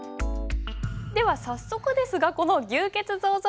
では早速ですがこの「牛造像記」